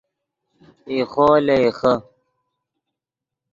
ایخو لے ایخے